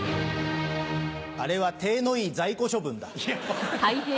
あれは体のいい在庫処分だ。